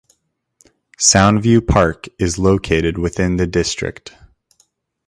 Soundview Park is located within the district.